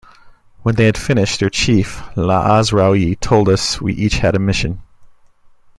When they had finished, their chief Laazraoui told us we each had a mission.